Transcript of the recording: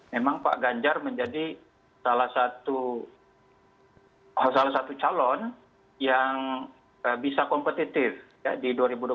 memang pak ganjar menjadi salah satu calon yang bisa kompetitif di dua ribu dua puluh